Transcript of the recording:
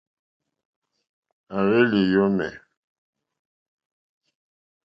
À hwèlì yɔ̀mɛ̀.